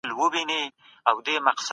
فارابي د فاضله ښار نظریه وړاندې کړې.